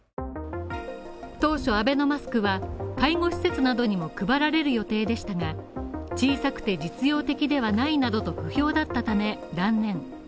当初アベノマスクは介護施設などにも配られる予定でしたが、小さくて実用的ではないなどと不評だったため断念。